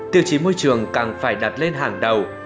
tiêu chí môi trường càng phải đặt lên hàng đầu